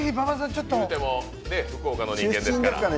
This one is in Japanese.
言うても福岡の人間ですから。